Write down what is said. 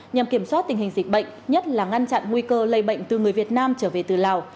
nhằm kiểm soát tình hình dịch bệnh nhất là ngăn chặn nguy cơ lây bệnh từ người việt nam trở về từ lào